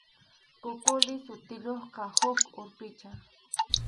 Kukuli sutiyuqqa huk urpicha.